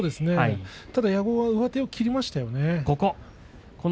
矢後は上手を切りましたよね。